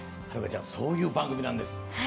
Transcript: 遥ちゃんそういう番組なんです。